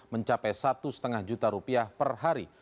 mencapai satu lima juta rupiah per hari